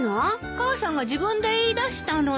母さんが自分で言い出したのよ。